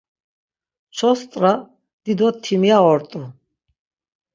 Çost̆ra dido timya ort̆u.